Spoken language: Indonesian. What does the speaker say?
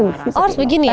oh harus begini ya